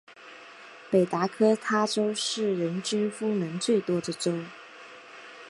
北达科他州是人均风能最多的州。